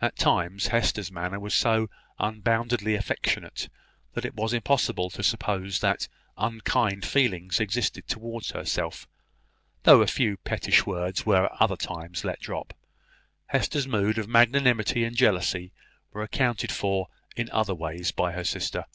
At times, Hester's manner was so unboundedly affectionate, that it was impossible to suppose that unkind feelings existed towards herself; though a few pettish words were at other times let drop. Hester's moods of magnanimity and jealousy were accounted for in other ways by her sister.